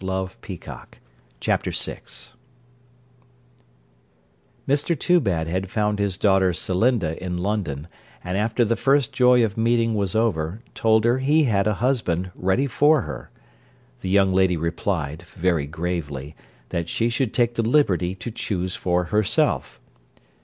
CHAPTER VI Mr Toobad had found his daughter Celinda in London, and after the first joy of meeting was over, told her he had a husband ready for her. The young lady replied, very gravely, that she should take the liberty to choose for herself.